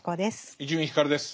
伊集院光です。